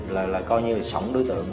là coi như sỏng đối tượng